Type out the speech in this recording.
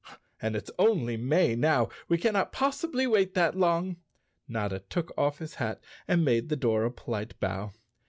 "And it's only May now. We cannot possibly wait that long." Notta took off his hat and made the door a polite bow.